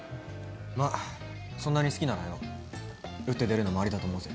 まあそんなに好きならよ打って出るのもありだと思うぜ。